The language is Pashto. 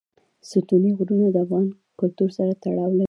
ستوني غرونه د افغان کلتور سره تړاو لري.